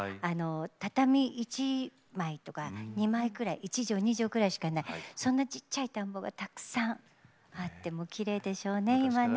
畳１枚とか２枚ぐらい１畳２畳ぐらいしかないそんなちっちゃい田んぼがたくさんあってきれいでしょうね今ね。